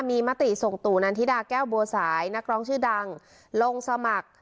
มีมติส่งตู่นันทิดาแก้วบัวสายนักร้องชื่อดังลงสมัคร